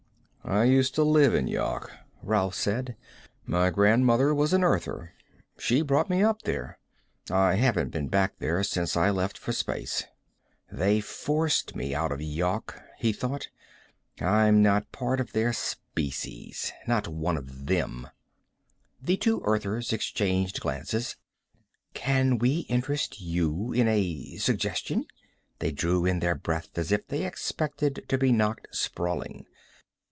"I used to live in Yawk," Rolf said. "My grandmother was an Earther; she brought me up there. I haven't been back there since I left for space." They forced me out of Yawk, he thought. I'm not part of their species. Not one of them. The two Earthers exchanged glances. "Can we interest you in a suggestion?" They drew in their breath as if they expected to be knocked sprawling.